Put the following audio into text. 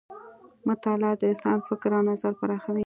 مطالعه د انسان فکر او نظر پراخوي.